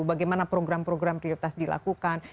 bagaimana program program prioritas dilakukan